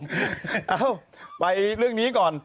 เอ้าไปเรื่องนี้ก่อน